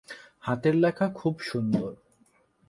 হাতের লেখা খুব সুন্দর।